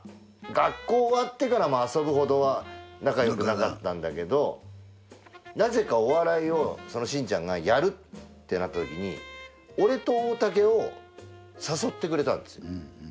学校終わってから遊ぶほどは仲よくなかったんだけどなぜかお笑いをそのシンちゃんがやるってなったときに俺と大竹を誘ってくれたんですよ。